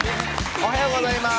おはようございます。